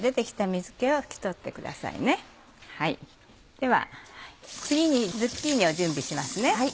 では次にズッキーニを準備します。